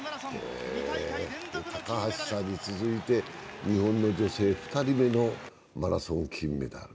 高橋さんに続いて日本の女性２人目のマラソン金メダル。